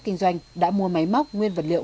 kinh doanh đã mua máy móc nguyên vật liệu